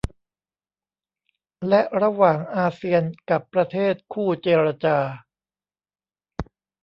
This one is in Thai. และระหว่างอาเซียนกับประเทศคู่เจรจา